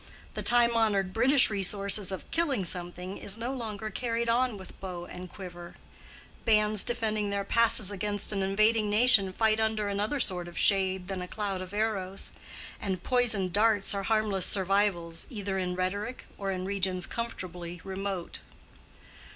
The time honored British resource of "killing something" is no longer carried on with bow and quiver; bands defending their passes against an invading nation fight under another sort of shade than a cloud of arrows; and poisoned darts are harmless survivals either in rhetoric or in regions comfortably remote.